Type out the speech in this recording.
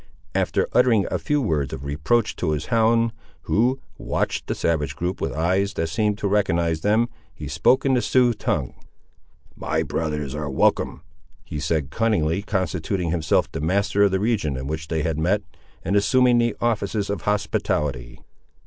After uttering a few words of reproach to his hound, who watched the savage group with eyes that seemed to recognise them, he spoke in the Sioux tongue— "My brothers are welcome," he said, cunningly constituting himself the master of the region in which they had met, and assuming the offices of hospitality.